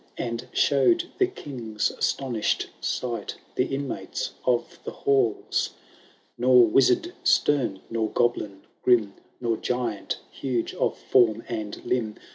And showed the King's astonished sight The inmates of the halls. Nor wizard stem, nor goblin grim. Nor giant huge cf form and limb.